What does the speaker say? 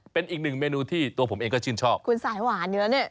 เป็นอีกหนึ่งเมนูที่ตัวผมเองก็ชื่นชอบคุณสายหวานอยู่แล้วเนี่ย